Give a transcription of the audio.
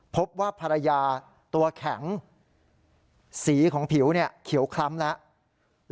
พบว่าภรรยาตัวแข็งสีของผิวเขียวคล้ำแล้ว